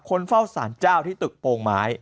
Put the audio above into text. คนเฝ้าสารเจ้าที่ตึกโปรงไม้